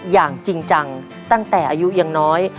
อย่างจริงจังตั้งแต่อายุยังน้อย